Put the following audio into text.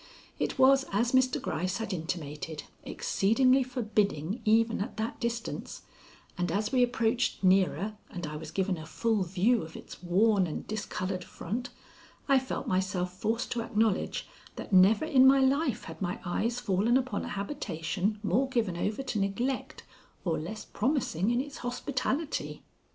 It was as Mr. Gryce had intimated, exceedingly forbidding even at that distance, and as we approached nearer and I was given a full view of its worn and discolored front, I felt myself forced to acknowledge that never in my life had my eyes fallen upon a habitation more given over to neglect or less promising in its hospitality.